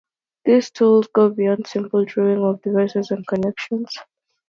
These tools go beyond simple drawing of devices and connections.